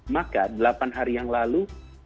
maka delapan hari yang lalu